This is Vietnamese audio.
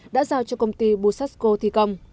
đã giao cho công ty busasco thi công